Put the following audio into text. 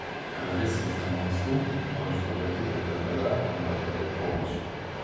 К рождественскому носку можешь подойти только тогда, когда пробьёт полночь.